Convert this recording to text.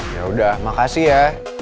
ya udah makasih ya